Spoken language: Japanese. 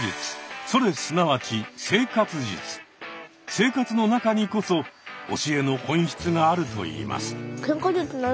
生活の中にこそ教えの本質があるといいます。